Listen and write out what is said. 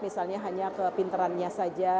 misalnya hanya kepinterannya saja